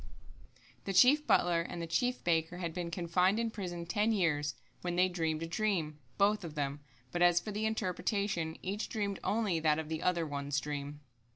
1] The chief butler and the chief baker had been confined in prison ten years, when they dreamed a dream, both of them, but as for the interpretation, each dreamed only that of the other one's dream.